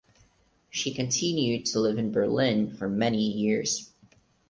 She continued to live in Berlin for many years.